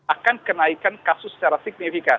akan kenaikan kasus secara signifikan